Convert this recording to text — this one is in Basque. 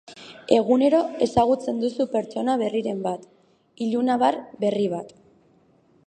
Egunero ezagutzen duzu pertsona berriren bat, ilunabar berri bat.